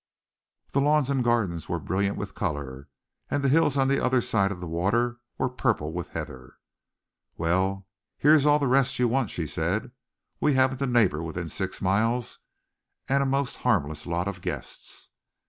The lawns and gardens were brilliant with color, and the hills on the other side of the water were purple with heather. "Well, here is all the rest you want," she said. "We haven't a neighbor within six miles, and a most harmless lot of guests."